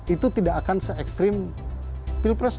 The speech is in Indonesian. itu tidak akan se ekstrim pilpres dua ribu sembilan belas